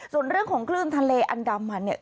ส่วนเรื่องของคลื่นทะเลอันดามันเนี่ย